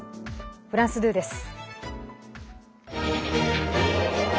フランス２です。